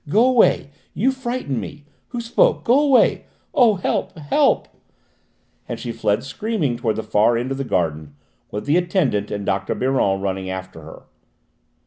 Go away! You frighten me! Who spoke? Go away! Oh, help! help!" and she fled screaming towards the far end of the garden, with the attendant and Dr. Biron running after her.